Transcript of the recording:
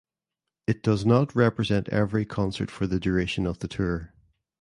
It does not represent every concert for the duration of the tour.